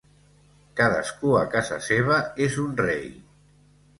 Cadascú a casa seva és un rei.